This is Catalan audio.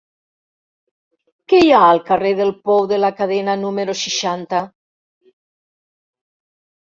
Què hi ha al carrer del Pou de la Cadena número seixanta?